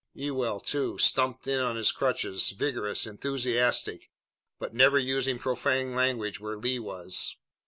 Ewell, too, stumped in on his crutches, vigorous, enthusiastic, but never using profane language where Lee was.